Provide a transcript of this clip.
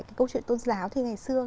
cái câu chuyện tôn giáo thì ngày xưa